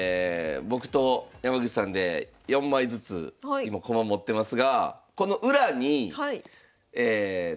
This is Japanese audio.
僕と山口さんで４枚ずつ今駒持ってますがあっ確かに。